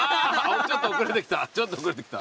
ちょっと遅れてきた